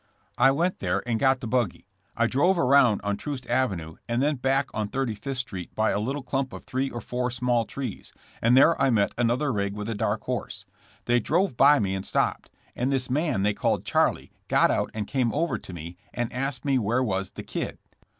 I went there and got the buggy. I drove around on Troost ave nue and then back on Thirty fifth street by a little clump of three or four small trees, and there I met another rig with a dark horse. They drove by me and stopped, and this man they called Charlie got out and came over to me and asked me where was the *Kid.'